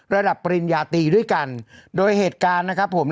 ปริญญาตีด้วยกันโดยเหตุการณ์นะครับผม